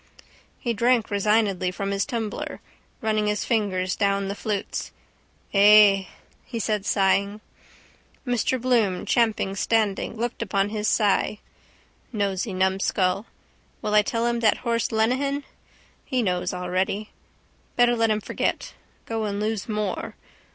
He drank resignedly from his tumbler, running his fingers down the flutes. —Ay, he said, sighing. Mr Bloom, champing, standing, looked upon his sigh. Nosey numbskull. Will I tell him that horse Lenehan? He knows already. Better let him forget. Go and lose more.